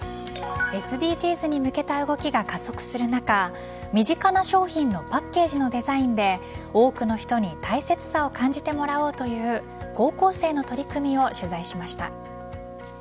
ＳＤＧｓに向けた動きが加速する中身近な商品のパッケージのデザインで多くの人に大切さを感じてもらおうという高校生の取り組みを取材しました。